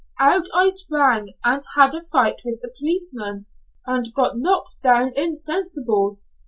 Out I sprang, and had a fight with the policeman, and got knocked down insensible.